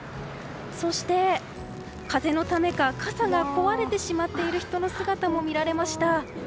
そして、風のためか傘が壊れてしまっている人の姿もみられました。